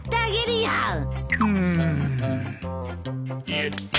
よっと。